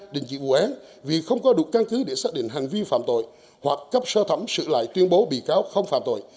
đình chỉ vụ án vì không có đủ căn cứ để xác định hành vi phạm tội hoặc cấp sơ thẩm xử lại tuyên bố bị cáo không phạm tội